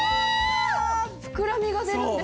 膨らみが出るんですね。